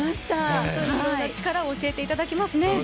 本当にいろんなチカラを教えていただけますね。